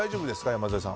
山添さん。